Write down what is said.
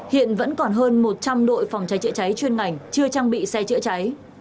hiện vẫn còn hơn một trăm linh đội phòng trái trịa trái chuyên ngành chưa trang bị xe trịa trái